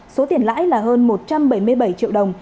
số tiền lãi là hơn một trăm bảy mươi bảy triệu đồng